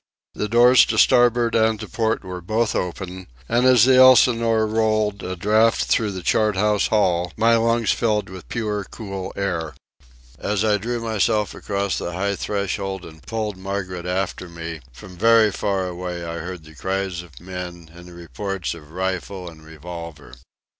The doors to starboard and to port were both open; and as the Elsinore rolled a draught through the chart house hall my lungs filled with pure, cool air. As I drew myself across the high threshold and pulled Margaret after me, from very far away I heard the cries of men and the reports of rifle and revolver.